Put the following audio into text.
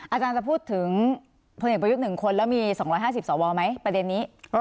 อาจารย์จะพูดถึงพลเอกประยุทธ์๑คนแล้วมี๒๕๐สวไหมประเด็นนี้